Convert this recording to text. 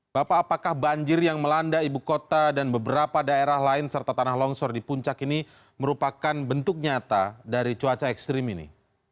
bapak apakah banjir yang melanda ibu kota dan beberapa daerah lain serta tanah longsor di puncak ini merupakan bentuk nyata dari cuaca ekstrim ini